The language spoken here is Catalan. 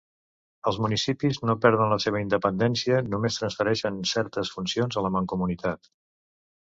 Els municipis no perden la seva independència, només transfereixen certes funcions a la mancomunitat.